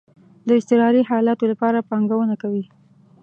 د اضطراری حالاتو لپاره پانګونه کوئ؟